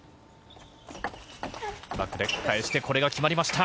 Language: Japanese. バックで返してこれが決まりました。